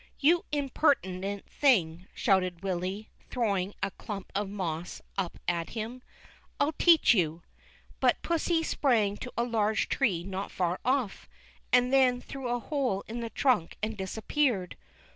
" You impertinent thing !" shouted Willy, throwing a clump of moss up at him. " I'll teach you !" But pussy sprang to a large tree not far off, and then through a hole in the trunk and disappeared.